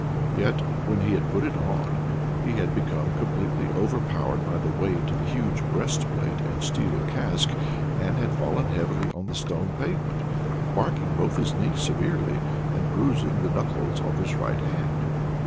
Yet when he had put it on, he had been completely overpowered by the weight of the huge breastplate and steel casque, and had fallen heavily on the stone pavement, barking both his knees severely, and bruising the knuckles of his right hand.